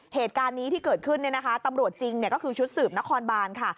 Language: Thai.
เหตุการณ์นี้ที่เกิดขึ้นเนี่ยนะคะตำรวจจริงก็คือชุดสืบนครบานค่ะ